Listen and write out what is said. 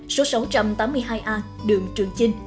số sáu trăm tám mươi hai a đường trường chinh